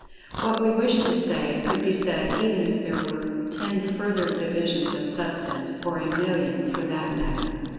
What we wish to say, could be said even if there were ten further divisions of Substance—or a million, for that matter.